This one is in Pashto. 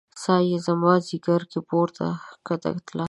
ساه يې زما ځیګر کې پورته کښته تلله